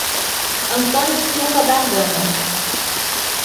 Antônio Silva da Gama